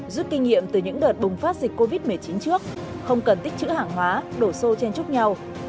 rút kinh nghiệm từ những đợt bùng phát dịch covid một mươi chín trước không cần tích chữ hàng hóa đổ xô chen chúc nhau